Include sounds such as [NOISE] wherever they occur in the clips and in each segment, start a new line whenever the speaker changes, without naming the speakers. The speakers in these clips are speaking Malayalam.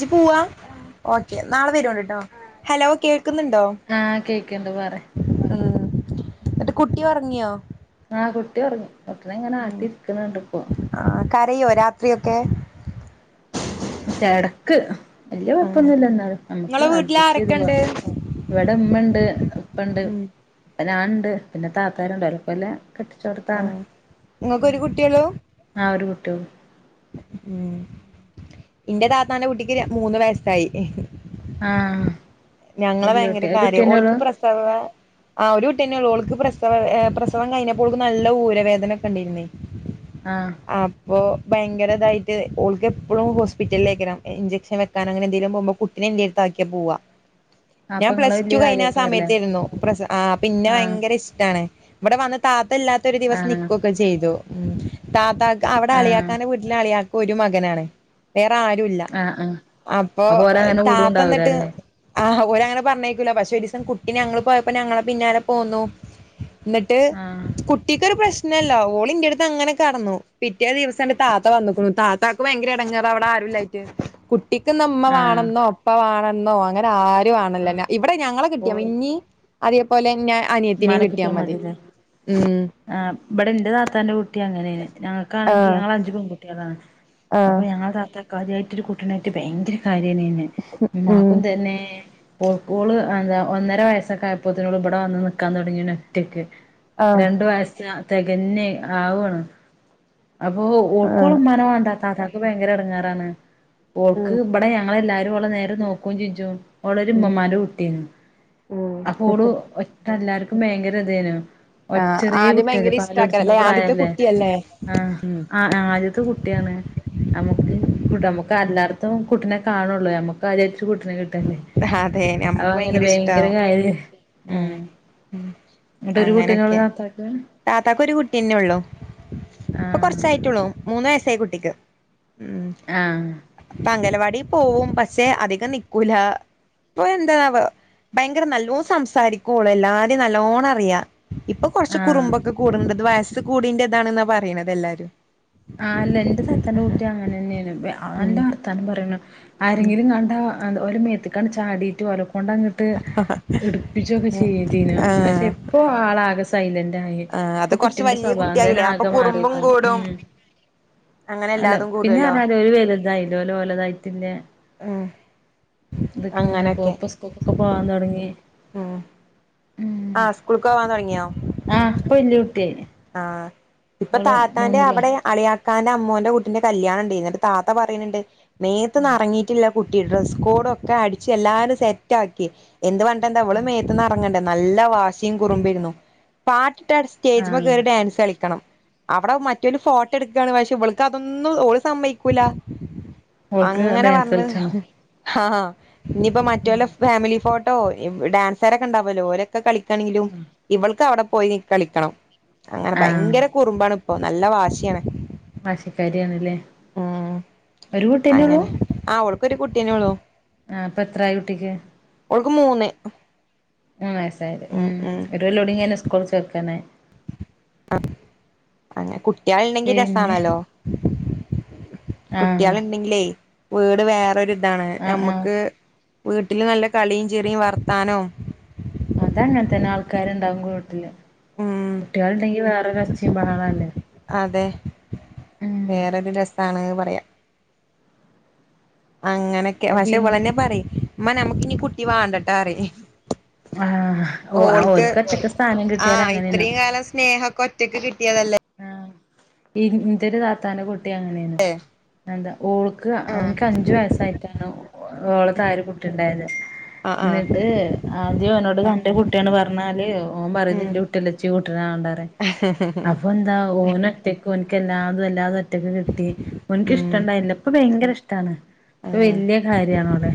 ജ് പോവാ ഓക്കേ നാളെ വേരോണ്ട് ട്ടൊ ഹലോ കേ
ആഹ് കേക്ക്ണ്ട് പറി
ന്നട്ട് കുട്ടി ഒറങ്ങിയോ
ആഹ് കുട്ടി ഒറ്ങ്ങി കുട്ടിനിങ്ങനെ ആട്ടിരിക്ക്ണ്ണ്ട്പ്പൊ
കയ്യോ രാത്രിൊക്കെ
ചെടക്ക്
ഉം
വല്യകൊയപ്പൊന്നുല്ല ന്നാൽ നമ്മക്ക്
നിങ്ങളെ വീട്ടിൽ
അഡ്ജസ്റ്റ്ചെയ്ത്
ആരൊക്കെ
പോവാ
ഉണ്ട്
ഇവടെ മ്മണ്ട് ഇപ്പണ്ട്
ഉം
ഇപ്പ ഞൻണ്ട് പിന്നെ താത്താര്ണ്ടല്ലോ പ്പോലെ
ആ
കെട്ടിച്ചോട്താണ്
നിങ്ങക്കൊരു കുട്ടിയള്ളൂ
ആ ഒരു കുട്ടിയൊള്ളു
ഉം ഇന്റെ താത്താന്റെ കുട്ടിക്ക് ര മൂന്ന് വയസ്സായി
ആഹ്
ഞങ്ങളെ
വല്യ
ഭയങ്കര
കുട്ടി ഒരു
കാര്യ
കുട്ടിയെന്നെ ഒള്ളു
ഓൾക്ക് പ്രസവ വേ ആഹ് ഒരു കുട്ടി തന്നെ ഉള്ളു. ഓൾക്ക് പ്രസവ പ്രസവം കഴിഞ്ഞപ്പോൾക്ക് നല്ല ഊരവേദ നൊക്കെ ഇണ്ടേര്ന്നേ
ആഹ്
അപ്പൊ ഭയങ്കര തായിട്ട് ഓൾക്ക് എപ്പളും ഹോസ്പിറ്റലിലേക്കരം. ഇൻചക്ഷൻ വെക്കാനൊ അങ്ങനെ എന്തെലും പോകുമ്പോ കുട്ടിനെ ഇൻ്റെടുത്ത് ആക്കിയാ പോവാ
അപ്പൊ
ഞാൻ
ഇങ്ങളെ
പ്ലസ് ടു
വല്യ
കഴിഞ്ഞ ആ
കാര്യേക്കാരല്ലേ
സമയത്തേര്ന്നു. പ്രസ ആ പി ഇന്നെ
ആഹ്
ഭയങ്കര ഇഷ്ടാണ് ഇവിടെ വന്ന് താത്ത ഇല്ലാത്ത ഒരു ദിവസം
ആഹ്
നിക്കൊക്കെ ചെയ്തു. ഉം താത്താക്ക് അവിടെ
ആഹ്
അളിയാക്കാൻ്റെ വീ ട്ട്ല് അളിയാക്ക ഒരു മകനാണ് വേറെ ആരും ഇല്ല
ആഹ് ആഹ്
അപ്പൊ
ഓലങ്ങനെ
താത്ത ഇന്നട്ട്
വിടൂണ്ടാവൂലല്ലേ
ആഹ് ഓരങ്ങനെ പറഞ്ഞയക്കൂല. പക്ഷെ ഒരീസം കുട്ടി ഞങ്ങൾ പോയപ്പോ ഞങ്ങളെ പിന്നാലെ പോന്നു എന്നിട്ട്
ആഹ്
കുട്ടിക്കൊരു പ്രശ്നല്ല. ഓൾ ഇൻ്റെടുത്ത് അങ്ങനെ കെടന്നു. പിറ്റേ ദിവസാണ്ട് താത്ത വന്ന്ക്കുണു. താത്തക്ക് ഭയങ്കര ഇടങ്ങാറ് അവിടെ ആരുംല്ലായിട്ട് കു ട്ടിക്ക് ന്നാ ഉമ്മ വാണം
ആഹ്
ന്നോ ഉപ്പ വാണന്നോ അങ്ങനെ ആ രു
ആഹ്
വാണല്ല ഇവിടെ ഞങ്ങളെ കിട്ടിയാ മതി. ഇന്നി അതേപോലെ ഞ അനിയത്തിനിം
ഇമ്മാനെ കിട്ടിയാ
മതി
മതില്ലെ.
ഉം
ആഹ് ഇബടെ ഇന്റെ താത്താന്റെ കു ട്ടി അങ്ങനേണ്. ഞങ്ങൾക്കാണെങ്കി
ആഹ്
ഞങ്ങൾ അഞ്ചു പെൺകുട്ടിയേളാണ്
ആഹ്
അപ്പം ഞങ്ങൾ താത്ത കാര്യായിട്ടൊരു കുട്ടിൻ്റായിട്ട് ഭയങ്കര കാര്യേനി അയ്നെ.
ഉം
ഇമാക്കും തന്നെ ഓള് എന്താ ഒന്നര വയസ്സക്കെ ആയപ്പോത്തിനോട് ഇവിടെ വന്ന് നിക്കാൻ തുടങ്ങിയ ഒറ്റക്ക്
ആഹ്
രണ്ടു വയസ തികന്നേ ആവാണ് അപ്പൊ
ആഹ്
ഓൾക്കോളമാന വേണ്ട താതക്ക് ഭയങ്കര ഇടങ്ങാറാണ്
ഉം
ഓൾക്ക് ഇവിടെ ഞങ്ങല്ലാവ അവള് നേരെ നോക്കോ ചിഞ്ചു ഓള് ഉമ്മമാര് കുട്ടിന്ന്
ഉം
അപ്പ
ഉം
ഓള് എല്ലാർക്കും ഭയങ്കര ഇതേന് ഓ
ആഹ്
ചെറിയ
ആദ്യം
കുട്ടിയല്ല
ഭയങ്കര
പാലടിച്ചന
ഇഷ്ടാക്കാരല്ലേ ആദ്യത്തെ
പ്രായല്ലേ
കുട്ടിയല്ലേ
ആഹ്
ഉം
ആ ആദ്യത്തെ കുട്ടിയാണ് നമ്മുക്ക് കുട്ട നമ്മുക്ക് എല്ലാർക്കും [UNINTELLIGIBLE] കുട്ടനെ കാണൂള്ളൂ നമുക്ക് അ [UNINTELLIGIBLE] [UNINTELLIGIBLE] കിട്ടല്ലേ
അതെ
അപ്പ
ഞമ്മക്ക്
അങ്ങനെ ഭയങ്കര
ഇഷ്ടാവും
കാര് ഉം എന്നട്ടൊരു കുട്ടീനോട് [UNINTELLIGIBLE]
താത്താക്കൊരു കുട്ട്യന്നെ ഉള്ളു. ഇപ്പൊ
ആഹ്
കൊറച്ചായിട്ടുള്ളൂ മൂന്ന് വയസായി കുട്ടിക്ക്. ഉം
ആഹ്
ഇപ്പ അംഗലവാടി പോവും പക്ഷെ അധികം നിക്കൂലാ ഇപ്പെന്താവോ ഭയങ്കര നല്ലോം സംസാരിക്കും ഓള് എല്ലാരേം നല്ലോണം അറിയാം ഇപ്പ
ആഹ്
കുറുമ്പക്ക കൂടണിണ്ടത് വയസ്സ് കൂടീന്റെ ഇതാണെന്ന പറയണത് എല്ലാരും.
ആഹ് അല്ല എന്റെ താത്താന്റെ കുട്ടി അങ്ങനെ തന്നേണ്. വ
ഉം
ആന്റെ വർത്താനം പറയണ
ഉം
ആരെയെങ്കിലും കണ്ടാ അഹ് ന്താ ഓരെ മേത്തക്കങ്ങട് ചാടീട്ട് ഓലെ കൊണ്ടങ്ങിട്ട് എടുപ്പിച്ചുവൊക്കെ ചെയ്തിനു. പക്ഷെ
ആഹ്
ഇപ്പൊ ആളാകെ സൈല ന്റായി
ആഹ് അത്
ഇപ്പൊ
കൊറച്ച്
കുട്ടീന്റെ
വല്യ
സ്വഭാവം തന്നെ
കുട്ടിയായില്ലേ അപ്പൊ
ആകെ
കുറുമ്പും
മാറിയേക്കണു
കൂടും
ഉം
അങ്ങനെ
അല്ല
എല്ലാതും
പിന്നെ
കൂടുവല്ലോ
പറഞ്ഞാല് ഓല് വലുതായില്ലെ ഓല് ഓലതായിട്ടില്ലെ
ഉം
ഇതൊക്കെ ഇങ്ങനെ
അങ്ങനൊക്കെ
പോപ്പ സ്കൂക്കൊക്കെ പോവാൻ തൊടങ്ങി.
ആഹ് സ്കൂൾക്ക് പോവാൻ തൊടങ്ങിയോ?
ആഹ് ഇപ്പൊ വല്യ കുട്ടിയായി
ആഹ് ഇപ്പൊ
ഓള്
താത്താന്റെ
മൂന്നിലോ
അവിടെ അളിയാക്കാന്റെ അമ്മോന്റെ കുട്ടീന്റെ കല്യാണെണ്ടേ എന്നിട്ട് താത്ത പറയണെണ്ട്
ആഹ്
മേത്ത്ന്നറങ്ങിയിട്ടില്ല കുട്ടി ഡ്രസ് കോഡൊക്കെ അടിച്ച് എല്ലാരും സെറ്റ് ആക്കി. എന്ത് പറഞ്ഞട്ടെന്താ ഇവള്
ആഹ്
മേത്ത്ന്നെറങ്ങ ണ്ടെ നല്ല വാശിയും കുറുമ്പിരുന്നു. പാട്ടിട്ടാതി
ആഹ്
സ്റ്റേജ്മ്മക്കേറി ഡാൻസ് കളിക്കണം. അവിടെ മറ്റോന് ഫോട്ടോ എടുക്കാണ് പക്ഷെ ഇവള്ക്ക് അതൊന്നും ഓള് സമ്മയ്ക്കൂലാ.
ഓൾക്ക്
അങ്ങനെ
ഡാൻസ്
പറഞ്ഞ്
കളിച്ചാണ്
ഹാ അഹ് ഇനിപ്പൊ
ഉം
മറ്റഓല ഫാമിലി ഫോട്ടോ ഇവ് ഡാൻസ്കാരൊക്കെണ്ടാവല്ലോ ഓരൊക്കെ കളി ക്കണെങ്കിലും
ആഹ്
ഇവൾക്ക് അവിടെ പോയി കളിക്കണം അങ്ങനെ
ആഹ്
ഭയങ്കര കുറുമ്പാണ്. ഇപ്പൊ നല്ല വാശിയാണ്.
വാശിക്കാരി ആണ് ഇല്ലേ
ഉം
ഒരു കുട്ട്യന്നെ ഉള്ളൂ.
ഒരു കുട്ട്യന്നെ ഒള്ളു.
ആഹ് ഇപ്പെത്രായി കുട്ടിക്ക്?
ഓൾക്ക് മൂന്ന്.
മൂന്ന് വയസ്സായില്ലേ ഉം ഒരു കൊല്ലോടിം കഴിഞ്ഞ സ്‌കൂളി ചേർക്കാനായി.
അഹ് അങ്ങെ കുട്ട്യോളൊണ്ടെങ്കി
പിന്നെ
രസാണല്ലോ?
ആഹ്
കുട്ട്യോളൊണ്ടെങ്കിലേ വീട് വേറൊരിതാണ്.
ആഹ് ആഹ്
നമ്മക്ക് വീട്ടില് നല്ല കളീം ചിരീം വാർത്താനോം
ഇത്തനെ ആൾക്കാരുണ്ടാവും [UNINTELLIGIBLE]
ഉം
കുട്ടികളുണ്ടെങ്കി വേറൊരച്ചയും ബഹളോല്ലേ?
വേറെത് രസാണ് പറയാ. അങ്ങനൊക്കെ. പക്ഷെ
പിന്നെ
ഇവളെന്നെ പറയും ഉമ്മാ നമുക്കിനി കുട്ടി വാണ്ടട്ടോറയും.
ആഹ് ഓ
ഓൾക്ക്
ഓൽക്ക് ഒറ്റക്ക് സ്ഥാനം കിട്ടിയാൽ
ആഹ്
അങ്ങനെനു
ഇത്രയും കാലം സ്നേഹൊക്കെ ഒറ്റക്ക് കിട് ടിയതല്ലേ?
ഇന്തര് താത്താനെ [UNINTELLIGIBLE] കുട്ടി അങ്ങനെയായിനു. എന്താ ഓൾക്ക്
ആഹ്
അവന്ക്ക് അഞ്ചു വയസായിട്ടാണ് ഓള്ക്ക് ആ ഒരു കുട്ടി ഉണ്ടായത്.
ആഹ് ആഹ്
എന്നിട്ട് ആദ്യം അവനോട് തന്റെ കുട്ടിയാണ് പറഞ്ഞാല് ഓൻ പറയത്
ഉം
എന്റെ കുട്ടിയല്ല [UNINTELLIGIBLE] [UNINTELLIGIBLE] ആഹ് ഓനൊറ്റയ്ക്കും ഓന്ക്ക് എല്ലാതും ഒറ്റക്ക് കിട്ടി. ഓന്ക്ക്
ഉം
ഇഷ്ടൊണ്ടായില്ല. ഇപ്പോ ഭയങ്കര ഇഷ്ടാണ് ഇപ്പൊ
ആഹ്
വലിയ കാര്യണ ഓ ളെ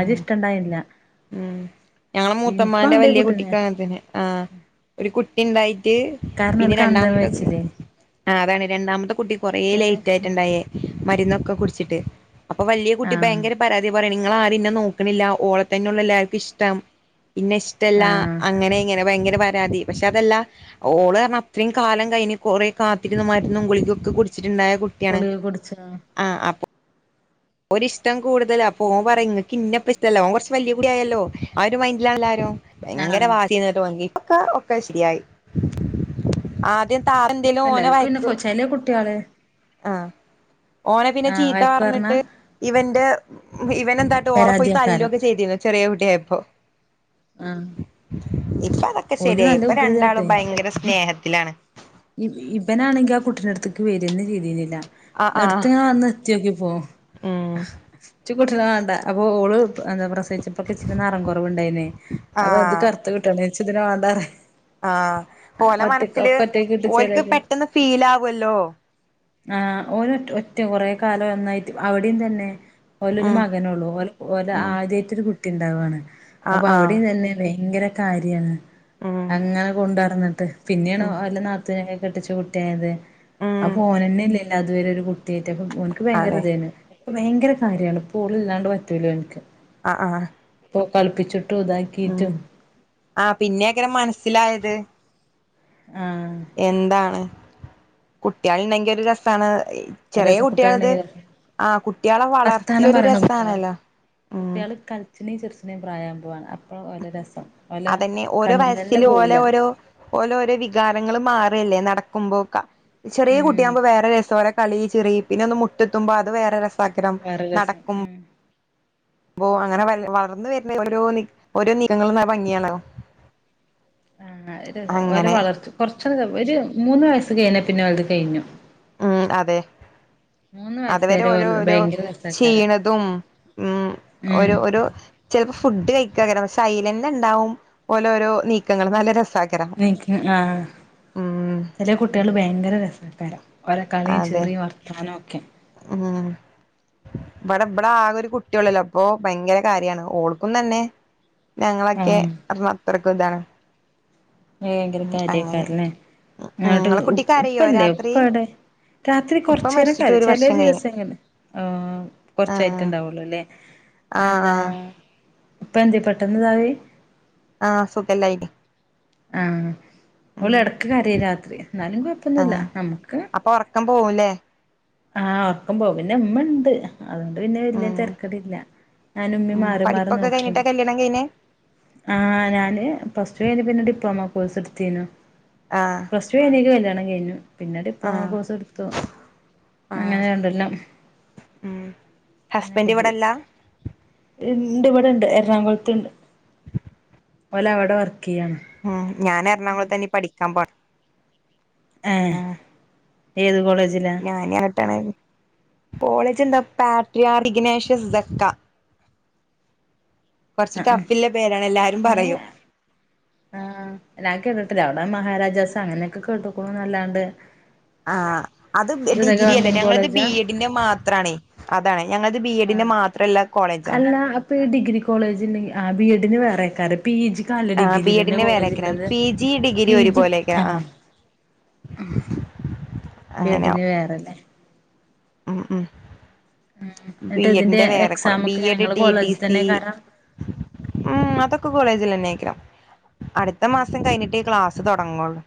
ഉം
ഇഷ്ടണ്ടായില്ല
ഉം ഞങ്ങള
ഇൻക്കും
മൂത്തമാന്റെ
ആണ്ടേ
വലിയ കുട്ടി
കുട്ടിനെ
കാണനത്തെന്നെ ആ ഒരു കുട്ടി ഉണ്ടായി മ
കാരണം
പിന്നെ
ഓൽക്ക് അന്തം
രണ്ടാമത്തത്
വെച്ചില്ലേ
ആ അതാണ് രണ്ടാമത്തെ കുട്ടി കൊറ
ചെലെ
ലേറ്റ് ആയിട്ടുണ്ടായേ മരുന്നൊെ ക്കെ കുറിച്ചിട്ട് അപ്പൊ വലിയ കുട്ടി
ആഹ്
ഭയങ്കര പരാതി പറയ നിങ്ങൾ ആരന്നെ നോക്കണില്ല ഓളെ തന്നെയുള്ള എല്ലാർക്കും ഇഷ്ടം ഇന്നെ ഇഷ്ടമല്ല
ആഹ്
അങ്ങനെ ഇങ്ങനെ ഭയങ്കര പരാതി പക്ഷെ അതല്ല ഓള് അത്രയും കാലം കയ് കൊറെ കാത്തിരുന്ന മരുന്നികക്കെ കു ടിച്ചിണ്ടായ കുട്ടിയാണ്
ഗുളിക കുടിച്ചോ
ഒരിഷ്ടം കൂടുതല അപ്പ ഓൻ പറ ഇക്ക് ഇന്നപ്പ ഇഷ്ടല്ല ഓൻ കുറച്ച് വലിയ കൂടിയയല്ലോ ആ ഒരു മൈൻഡിലല്ലരോ ഭയങ്കര
ആഹ്
വാശി ചെയന്നിട്ട് വി ക്ക ഒക്കെ ശരിയായി ആദ്യം താ എന്തേലും ഓന
എല്ലാർക്കും
വയക്ക്
പിന്നെ ചെലെ കുട്ട്യാള്
ആ ഓനെ പിന്നെ
ആഹ്
ചീത്ത
വഴക്ക് പറഞ്ഞാ
പറഞ്ഞിട്ട് ഇവന്റെ അവൻ എന്തട്ട ഓളെ പോയി തല്ല
പരാതിയേക്കാരം
ചെറിയ കുട്ടിയയപ്പോ
ആഹ്
ഇപ്പൊ അതൊക്കെ
ഓല്
ശരിയായി
നല്ല
ഇപ്പൊ രണ്ടാളും ഭയങ്കര സ്നേഹത്തിലാണ്
ഇവനാണെങ്കി ആ കുട്ടിനടുത്തേക്ക് വരുന്ന ചെയ്യുന്നില്ല
ആഹ് ആഹ്
എടുത്ത് ഞാൻ വന്ന് എത്തിയോക്കിപ്പോ
ഉം
ച്ച് കുട്ടിയെ വേണ്ട അപ്പൊ ഓള് എന്താ പ്രസവിച്ചപ്പോൊ ഇച്ചിരി നിറം കുറവുണ്ടായിനേ അപ്പൊ അത് കറുത്ത കിട്ടണ ച്ച് തിനെ മാണ്ടാണ്
ആഹ ഓല മനസ്സില്
ഒറ്റക്ക്
ഓലക്ക്
കെട്ടിച്ചേരാ
പെട്ടന്ന് ഫീൽ ആവല്ലോ
ആ ഓന്ന് ഒറ്റ കൊറെ കാലം നന്നായിട്ട് അവിടെയും തന്നെ ഓലരു
ഉം
മകന ഉള്ളൂഓല ഓല
ഉം
ആദ്യമായിട്ടരു കുട്ടി ഉണ്ടാവാണ്
ആഹ്
അപ്പൊ
ആഹ്
അവിടെയും തന്നെ ഭയങ്കര കാര്യണ്
ഉം
അങ്ങനെ കൊണ്ടഡാന്നിട്ട് പിന്നെയണ
ഉം
കെട്ടിച്ച കുട്ടിയ ആയത്
ഉം
അപ്പൊ ഓനന്നെ അല്ലെ അതുവരെ അപ്പൊ എനിക്ക് ഭയങ്കര
അതെ
ഇതോണ് ഭയങ്കര കാര്യമാണ് ഓള് ഇല്ലാണ്ട് പറ്റൂലോ ഒനിക്ക്
ആ ആ
ഇ കളിപ്പിച്ചിട്ടും ഇതാക്കിട്ടും
ആഹ് പിന്നെക്കാരം മനസ്സിലായത്
ആഹ്
എന്താണ് കുട്ടികൾ ഇണ്ടെങ്കിൽ ഒരു രസാണ് ചെറിയ
രസ
കുട്ടികളത്
കുട്ടികളുണ്ടെങ്കിലൊക്കെ
ആഹ കുട്ടികളെ വളർച്ച ഒരു രസണല്ലോ
കുട്ടികൾ കളിച്ചിനേും ചെറുച്ചിനേും പ്രായം പോവാണ് അപ്പോഴ വല രസം ഓലെ
അതന്നെ ഓരോ
കണ്ണ്ന്നന്നെ
വയസ്സൽ ഓലോ
പോവൂല
ഓരോ ഓലോ ഓരോ വികാരങ്ങളും മാറി ല്ലേ നടക്കുമ്പോക്ക ചെറിയ
ഉം
കുട്ടിയകുമ്പോ വേറെ രസല കളി ചിരി പിന്നെ ഒന്ന് മുട്ടെത്തുമ്പോ അത് വേറെ രസ കരം
വേറെ രസം
നടക്കും
ഉം
അ അങ്ങനെ വ വളർന്ന വരുന്ന ഓരോ ഓരോ നീക്കങ്ങളും ഭംഗിയാണോ
ആഹ ഓല വളർച്ച കൊറച്ച ഒരു മൂന്ന് വയസ്സ് കഴിഞ്ഞ പിന്നെ ഒലത് കഴിഞ്ഞു
ഉം അതെ
മൂന്നു
അതുവരെ ഓരോ രോ ചെയ്യണതും ഉ
ഉം
ഓരോ ഓരോ ചിലപ്പോ ഫുഡ് കഴ സൈലന് ഉണ്ടാവും ഓലോഓരോ നീക്കങ്ങളൾ നല്ല ര
നക്ക് ആഹ
ഉം
ചില കുട്ടികൾ ഭയങ്കര രസകരം ഓരോ കളിയും ചിറിയും വർത്താനക്കെ
ആ ഹ ഇവിടെ ഇവിടെ ആകെ ഒരു കുട്ടിയള്ളല്ലോ അപ്പൊ ഭയങ്കര കാര്യാണ് ഓൾക്കു തന്നെ ഞങ്ങളൊക്കെ
ആഹ്
അത്രക്ക ഇതാണ്
ഭയങ്കര
ഉം അങ്ങനെ
കാര്യക്കാരല്ലേ
ഉം
അങ്ങോട്ട്
ഇങ്ങളെ കുട്ടി കരയോ
ഉപ്പല്ലേ ഉപ്പ
രാത്രി
ഇവിടെ രാത്രി
ഇപ്പ
കൊറച്ചു നേരം
മരിച്ചിട്ട് ഒരു
കരച്ച ചില
വർഷം കഴിഞ്ഞ്
ദിവസെങ്ങെ ആ കൊറച്ചായിട്ട
ആഹ്
ഉണ്ടാവുള്ളൂ അല്ലേ
ആഹ്
എന്താ
ആഹ്
ഇപ്പ എന്ന്ത് പെട്ടെന്ന്താവി
ആഹ സുഖല്ലായിട്ട
ആഹ അവള് ഇടക്ക് കറി രാത്രി എന്നാലും കൊഴപ്പൊന്നുമില്ല നമ്മുക്ക്
പോല്ലേ
ആഹ് ഉറക്കം പോ പിന്നെ ഉമ്മ ഉണ്ട് അതുകൊണ്ട് പിന്നെ വലിയ
ഉം
തിരക്കട ഇല്ല ഞാന ഉമ്മി
ഉം
മാറി മാറി
പഠിപ്പൊക്കെ
നോക്കും
കഴിഞ്ഞിട്ടാ കല്യാണം കഴിഞ്ഞേ
ആ ഞാന് ഫസ്റ്റ് ക പിന്നോട് മ്മ കോഴസ് എടുത്തീ
ആഹ്
പ്രശവനക്ക് കല്യാണം കഴിഞ്ഞു പിന്നെ ഡിപ്ലോമ
ആഹ്
കോഴ്സ് എടുത്തു അങ്ങനെ ഉണ്ടെല്ലാം
ഉ ഹസ്ബൻഡ് ഇവിടെല്ലാ
ഉണ്ട് ഇവിടെണ്ട് എറണാകുളത്തുണ്ട് ഓല അവിടെ വർത്ത
ഉം ഞാൻ എറണാകുളത്തന്നീ പഠിക്കാൻ പോ
ഏ ഏത് കോളേജിലാ
പോളേജ് എന്താ പാട്രിയ റിഗ്നാേഷ്യസ്ക്ക
ആ ആ
ടഫില്ല പേരാണ് എല്ലാരും
ഇങ്ങനെ
പറയും
ആ ക്കി ഇിട്ടില്ല നമ്മടെ മഹാരാജാസ് അങ്ങനെയൊക്കെ കേട്ടക്ക നല്ലാണ്ട്
ആഹ അത് ഡിഗ്രി അല്ലേ ഞങ്ങളത് ബി
കോളേജാ
എഡിന്റെ മാത്രണ അതാണ് ഞങ്ങളത് ബി എഡിന്റെ
ആഹ്
മാത്രമല്ല കോളേജാണ്
കോളേജി ആ ബി എഡിന് വേറെക്കാര് പി ജി കല്
ആഹ് ബി
ഡിഗ്രില്ലന്നെ
എഡിന്റെ
കോളേജ്
വേറെക്കാരം
ഉള്ളത്
പി ജി ഡിഗ്രി
പിജി
ഒരുപോലെക്കാരം
ആ
ആഹ്
വീടിന്
അങ്ങനെയാവും
വേറെല്ലേ
ഉം ഉം
ഉം എന്നിട്ട് ഇതിന്റെ
ബിഎഡിന്റെ വേറെക്കള
എക്സാം ഒക്കെ
ബിഎഡ്
ഇങ്ങളെ
ടി ടി
കോളേജിൽ
സി
തന്നെക്കാരം
ഉം അതൊക്കെ കോളേജിൽ തന്നെ ആക്ക അടുത്ത
ആഹ്
മാസം കഴിഞ്ഞിട്ട് ക്ലാസ്സ് തുടങ്ങുള്ളൂ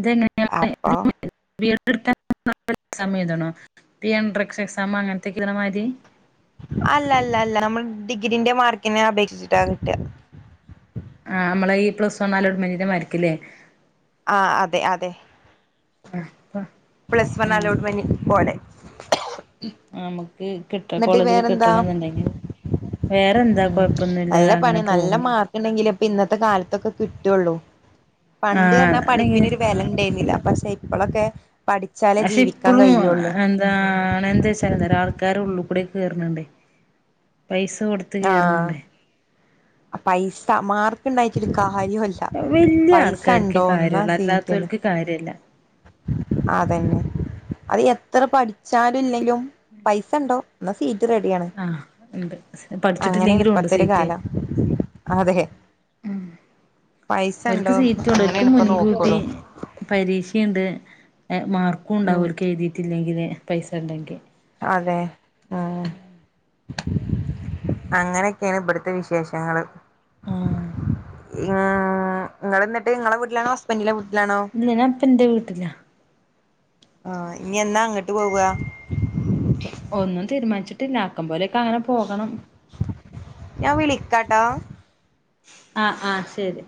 അതങ്ങന ണോ എക്ഷ എക്സാം അങ്ങനത്തക്കെ മാരി
അല്ല അല്ല അല്ല നമ്മൾ ഡിഗ്രീന്റെ മാർക്കിനെ അപേക്ഷിച്ചിട്ടാ കിട്ടിയ
ആ് നമ്മളെ ഈ പ്ലസ് വണ്ണാല ഉടമനീര മരരിക്കല്ലേ
ആഹ അതെ അതെ
ആഹ
പ്ലസ് വൺ അലോട്ട്മെന്റ് പോരെ.
അമ്മക്ക് കിട്ട കോളേജില് കിട്ടണന്നിണ്ടെങ്കില്.
ഉം.
പോകുണു
പണ്ട്
ആ
പറഞ്ഞാ
അല്ലെങ്കില്
പഠിപ്പിനൊരു വെല ഇണ്ടേർന്നില്ല, പക്ഷെ ഇപ്പോളൊക്കെ.
പക്ഷെ ഇപ്പോളും എന്താ എന്തേന്തേച്ചാല് ആൾക്കാരുള്ളൂ ഇവിടേക്ക് കേർണിണ്ടേ പൈസ കൊട്ത്ത്
ആഹ്
കേർണിണ്ടേ.
പൈസ, മാർക്ക് ഇണ്ടായിട്ടിട്ക്കാ. [UNINTELLIGIBLE]
വല്യ
പൈസ
ആൾക്കാർക്കേ
ഇണ്ടോ ന്നാ
കാര്യള്ളൂ
സീറ്റ്ണ്ട്.
അല്ലാത്തോൽക്ക് കാര്യല്ല
അതന്നെ അത് എത്ര പഠിച്ചാലും ഇല്ലെങ്കിലും പൈസ ഇണ്ടോ. ന്നാ സീറ്റ് റെഡിയാണ്.
ആ ഇണ്ട്
അങ്ങനെയാണ്
പഠിച്ചിട്ടില്ലെങ്കിലും ഇണ്ട്
ഇപ്പത്തെ ഒരു
സീറ്റ്,
കാലം അതെ
ഉം.
പൈസ
ഓർക്ക്
ഉണ്ടോ
സീറ്റുണ്ട്, ഓർക്ക്
അങ്ങനെയാണ് ഇപ്പ
മുൻകൂട്ടി
നോക്കുള്ളൂ
പരീക്ഷേണ്ട്. മാർക്കും ണ്ടാവും
ഉം
ഓൽക്ക് എഴുതീട്ടില്ലെങ്കില് പൈസ ഇണ്ടെങ്കി.
അതെ. അങ്ങനൊക്കെയാണ് ഇബ്ബ്ട്ത്തെ വിശേഷങ്ങള്.
ആഹ്
ആ ഇങ്ങൾ ഇന്നട്ട് ഇങ്ങളെ വീട്ടിലാണോ ഹസ്ബെന്റിന്റെ
ഇല്ല്യ ഞാൻ ഇപ്പം ഇന്റെ വീട്ടിലാ.
ആ ഇനി എന്നാ അങ്ങട്ട് പോവ.
ഒന്നും തീരുമാനിച്ചിട്ടില്ല ആക്കം പോലെയൊക്കെ അങ്ങനെ പോകണം.
ഞാൻ വിളിക്കാട്ടാ.
ആ ആ ശരി.